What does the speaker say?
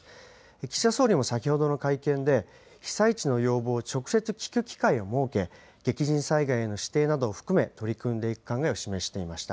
岸田総理も先ほどの会見で、被災地の要望を直接聞く機会を設け、激甚災害の指定などを含め、取り組んでいく考えを示していました。